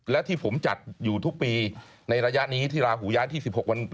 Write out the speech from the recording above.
และที่ผมจัดอยู่ทุกปีในระยะนี้ที่ราหูย้ายที่๑๖วัน